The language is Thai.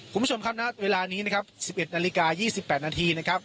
คุณผู้ชมครับนะเวลานี้นะครับสิบเอ็ดนาฬิกายี่สิบแปดนาทีนะครับ